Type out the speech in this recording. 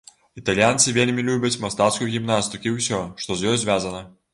Італьянцы вельмі любяць мастацкую гімнастыку і ўсё, што з ёй звязана.